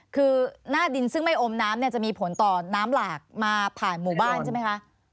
คือหน้าดินซึ่งไม่อมน้ำเนี่ยจะมีผลต่อน้ำหลากมาผ่านหมู่บ้านใช่ไหมคะ